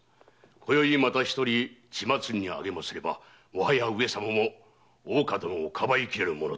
今宵また一人血祭りにあげますればもはや上様も大岡殿を庇いきれぬものと。